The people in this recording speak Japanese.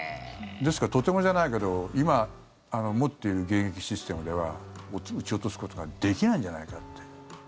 ですから、とてもじゃないけど今持っている迎撃システムでは撃ち落とすことができないんじゃないかって。